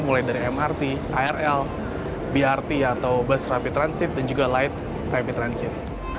mulai dari mrt krl brt atau bus rapid transit dan juga light rapid transit